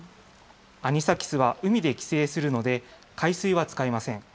アニサキスは海で寄生するので、海水は使いません。